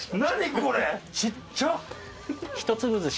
これ！